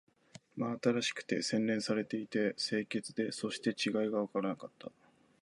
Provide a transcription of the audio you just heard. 真新しくて、洗練されていて、清潔で、そして違いがわからなかった